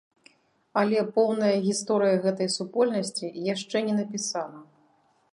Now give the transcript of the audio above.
Але поўная гісторыя гэтай супольнасці яшчэ не напісана.